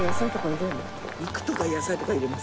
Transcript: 肉とか野菜とか入れるの？